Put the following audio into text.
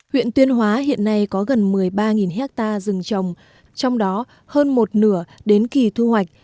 huyện tuyên hóa hiện nay có gần một mươi ba hectare rừng trồng trong đó hơn một nửa đến kỳ thu hoạch